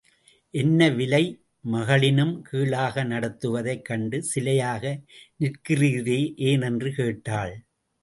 என்னை விலை மகளினும் கீழாக நடத்துவதைக் கண்டு சிலையாக நிற்கிறீரே ஏன்? என்று கேட்டாள்.